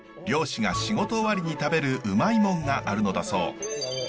漁師が仕事終わりに食べるウマいモンがあるのだそう。